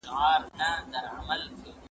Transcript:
زه به سبا مېوې راټولوم وم!؟